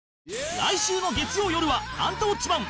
来週の月曜よるは『アンタウォッチマン！』